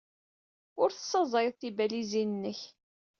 Ur tessaẓyed tibalizin-nnek.